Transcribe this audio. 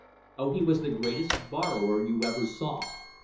Oh, he was the greatest borrower you ever saw!"